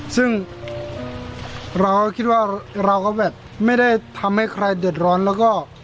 ซึ่งเราก็คิดว่าเราก็แบบไม่ได้ทำให้ใครเดือดร้อนแล้วก็